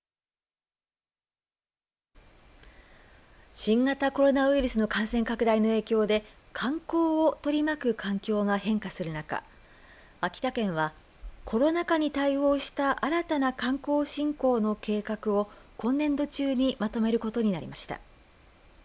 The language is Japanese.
新型コロナウイルスの感染拡大の影響で観光を取り巻く環境が変化する中秋田県はコロナ禍に対応した新たな観光振興の計画を今年度中にまとめることになりました。